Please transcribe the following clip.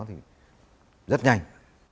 thì rất nhanh